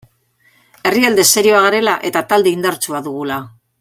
Herrialde serioa garela eta talde indartsua dugula.